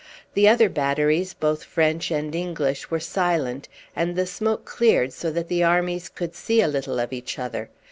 The other batteries, both French and English, were silent, and the smoke cleared so that the armies could see a little of each other.